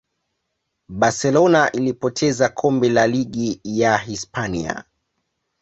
barcelona ilipoteza kombe la ligi ya hispania